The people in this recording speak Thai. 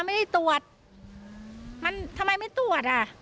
ไม่ได้ตรวจมันทำไมไม่ตรวจอ่ะ